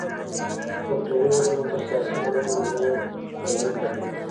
کلتوري بدلونونه تر سياسي بدلونونو ورو بهير لري.